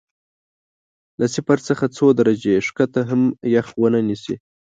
له صفر څخه څو درجې ښکته کې هم یخ ونه نیسي.